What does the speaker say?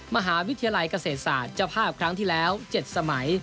มหาวิทยาลัยเกษตรศาสตร์เจ้าภาพครั้งที่แล้ว๗สมัย